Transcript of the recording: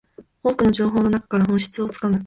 多くの情報の中から本質をつかむ